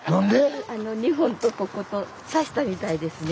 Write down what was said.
あの２本とここと挿したみたいですね。